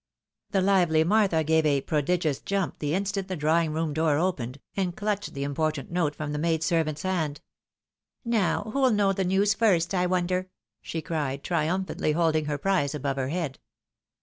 The lively Martha gave a prodigious jump the instant the drawing room door opened, and clutched the important note from the maid servant's hand. "Now, who'll know the news first, I wonder?" she cried, triumphantly holding her prize above her head.